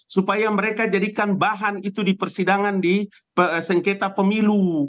supaya mereka jadikan bahan itu di persidangan di sengketa pemilu